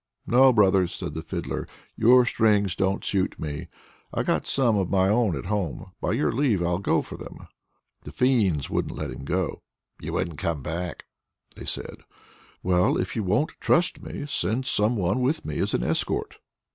"No, brothers!" said the Fiddler, "your strings don't suit me. I've got some of my own at home; by your leave I'll go for them." The fiends wouldn't let him go. "You wouldn't come back," they say. "Well, if you won't trust me, send some one with me as an escort."